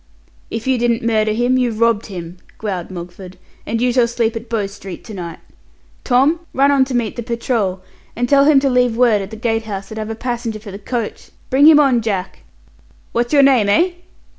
"If you didn't murder him, you robbed him," growled Mogford, "and you shall sleep at Bow Street to night. Tom, run on to meet the patrol, and leave word at the Gate house that I've a passenger for the coach! Bring him on, Jack! What's your name, eh?"